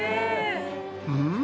うん？